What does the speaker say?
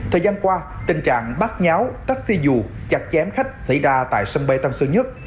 thời gian qua tình trạng bắt nháo taxi dù chặt chém khách xảy ra tại sân bay tân sơn nhất